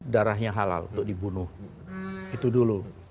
darahnya halal untuk dibunuh itu dulu